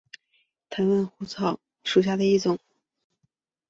台湾蕈珊瑚为蕈珊瑚科蕈珊瑚属下的一个种。